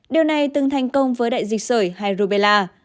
điều này từng thành công với đại dịch sởi rubella